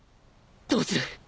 どうする！？